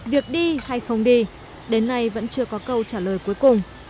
việc đi hay không đi đến nay vẫn chưa có câu trả lời cuối cùng